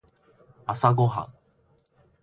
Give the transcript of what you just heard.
朝ごはん